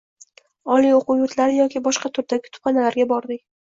Oliy oʻquv yurtlari yoki boshqa turdagi kutubxonalarga bordik.